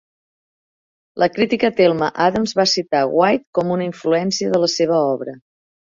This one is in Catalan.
La crítica Thelma Adams va citar White com un influència de la seva obra.